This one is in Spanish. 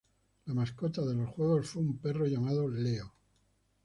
La mascota de los juegos fue un perro llamado "Leo".